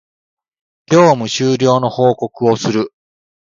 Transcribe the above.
業務終了の報告をする